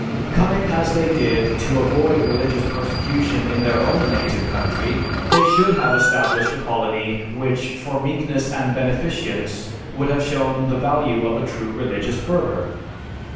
Coming as they did, to avoid religious persecution in their own native country, they should have established a colony which for meekness and beneficence would have shown the value of a true religious fervor.